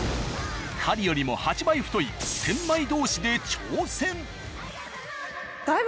針よりも８倍太い千枚通しで挑戦。